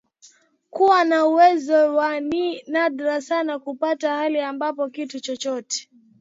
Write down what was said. kuwa na uwezo waNi nadra sana kupata hali ambapo kitu chochote